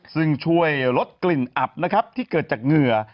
ซึ่งช่วยลดกลิ่นอับนะครับที่เกิดจากเหงื่อ